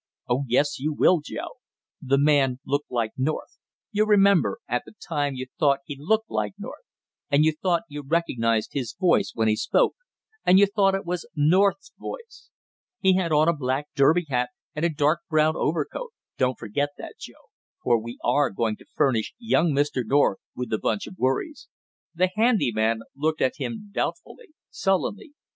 "Oh, yes you will, Joe! The man looked like North, you remember, at the time you thought he looked like North, and you thought you recognized his voice when he spoke, and you thought it was North's voice. He had on a black derby hat and a dark brown overcoat; don't forget that, Joe, for we are going to furnish young Mr. North with a bunch of worries." The handy man looked at him doubtfully, sullenly.